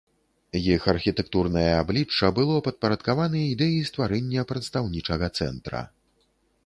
Іх архітэктурнае аблічча было падпарадкаваны ідэі стварэння прадстаўнічага цэнтра.